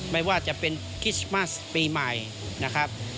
ไม่ว่าจะเป็นคริสต์มัสปีใหม่นะครับ